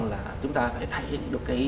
là chúng ta phải thấy được cái